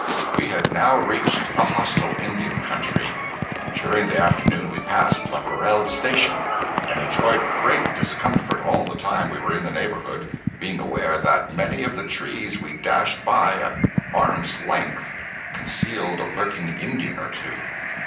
We had now reached a hostile Indian country, and during the afternoon we passed Laparelle Station, and enjoyed great discomfort all the time we were in the neighborhood, being aware that many of the trees we dashed by at arm's length concealed a lurking Indian or two.